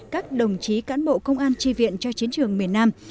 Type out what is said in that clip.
các đồng chí cán bộ công an tri viện cho chiến trường miền nam